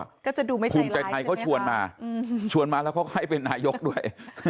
ก็จะดูไม่ใจร้ายใช่ไหมคะภูมิใจไทยเขาชวนมาชวนมาแล้วเขาก็ให้เป็นนายกด้วย